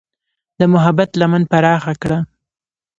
د محبت لمن پراخه کړه.